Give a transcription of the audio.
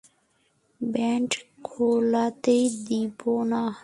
Band খোলতেই দিব না।